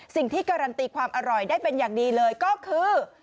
สิ่งที่การันตีความอร่อยได้เป็นอย่างดีเลยก็คือ